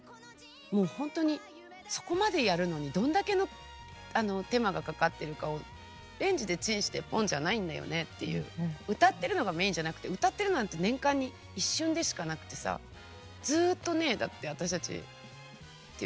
もうほんとにそこまでやるのにどんだけの手間がかかっているかをレンジでチンしてポンじゃないんだよねっていう歌ってるのがメインじゃなくて歌ってるなんて年間に一瞬でしかなくてさずっとねだって私たちっていうか。